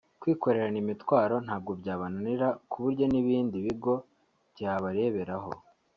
kwikorerana imitwaro ntabwo byabananira ku buryo n’ibindi bigo byabareberaho